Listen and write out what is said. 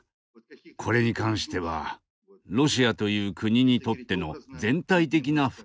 これに関してはロシアという国にとっての全体的な不幸の感覚